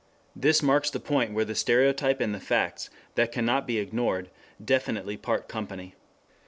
This marks the point where the stereotype and the facts, that cannot be ignored, definitely part company.